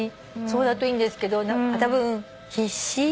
そうだといいんですけどたぶん必死？